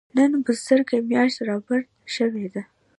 نن بزرګه مياشت رادبره شوې ده.